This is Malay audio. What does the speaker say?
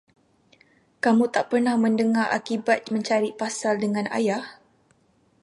Kamu tak pernah mendengar akibat mencari pasal dengan ayah?